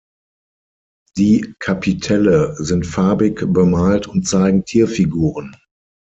Die Kapitelle sind farbig bemalt und zeigen Tierfiguren.